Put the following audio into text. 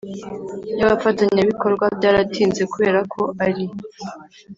Y’abafatanyabikorwa byaratinze, kubera ko ari